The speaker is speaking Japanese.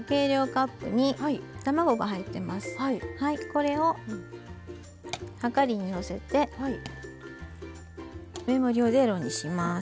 これをはかりにのせて目盛りをゼロにします。